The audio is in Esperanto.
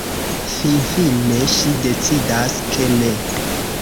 Finfine ŝi decidas, ke «Ne.